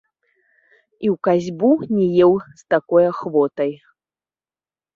І ў касьбу не еў з такою ахвотай.